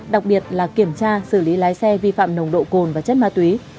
đặc biệt là kiểm tra xử lý lái xe vi phạm nồng độ cồn và chất ma túy